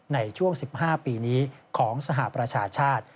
ในช่วง๑๕ปีนี้ของสหประชาชาติ